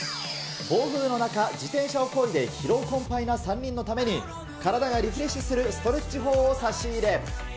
暴風の中、自転車をこいで疲労困ぱいな３人のために、体がリフレッシュするストレッチ法を差し入れ。